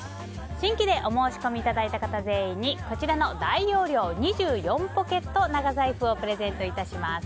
新規でお申し込みいただいた方全員に大容量２４ポケット長財布をプレゼントいたします。